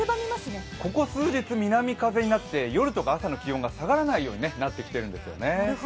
ここ数日、南風になって夜とか朝の気温が下がらないようになってきているんですよね。